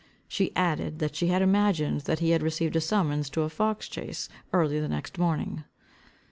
She added, that she had imagined, that he had received a summons to a fox chace early the next morning.